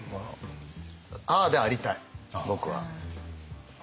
ああでありたい僕は。